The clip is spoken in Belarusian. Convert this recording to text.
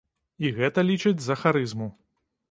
І гэта лічаць за харызму.